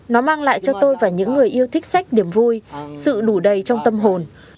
nó mang lại cho tôi và những người yêu thích sách niềm vui sự đủ đầy trong tâm hồn